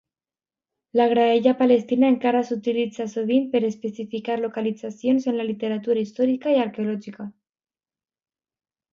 La graella Palestina encara s'utilitza sovint per especificar localitzacions en la literatura històrica i arqueològica.